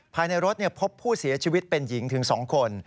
ภายในรถพบผู้เสียชีวิตเป็นหญิงถึง๒คน